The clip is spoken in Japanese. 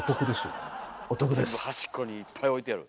全部端っこにいっぱい置いてある。